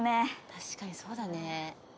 確かにそうだね。